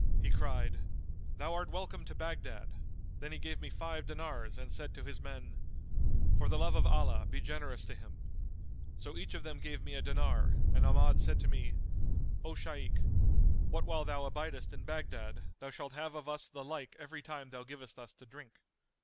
He cried, 'Thou art welcome to Baghdad'; then he gave me five dinars and said to his men, 'For the love of Allah be generous to him.' So each of them gave me a dinar and Ahmad said to me, 'O Shaykh, what while thou abidest in Baghdad thou shalt have of us the like every time thou givest us to drink.